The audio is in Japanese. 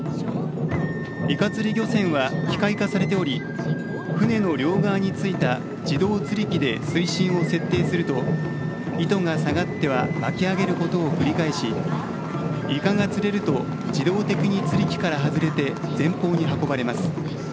イカ釣り漁船は機械化されており船の両側についた自動釣り機で水深を設定すると糸が下がっては巻き上げることを繰り返し、イカが釣れると自動的に釣り機から外れて前方に運ばれます。